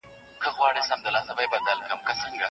واکسین ماشوم له فلج څخه ساتي.